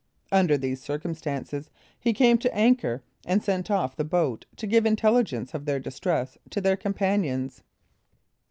Under these circumstances, he came to anchor, and sent off the boat to give intelligence of their distress to their companions.